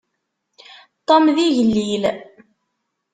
Tom d igellil.